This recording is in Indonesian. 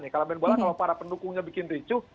kalau main bola kalau para pendukungnya bikin ricuh